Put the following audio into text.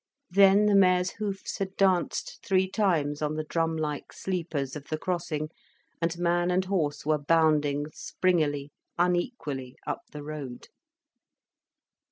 Then the mare's hoofs had danced three times on the drum like sleepers of the crossing, and man and horse were bounding springily, unequally up the road.